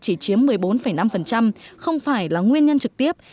chỉ chiếm một mươi bốn năm không phải là nguyên nhân trực tiếp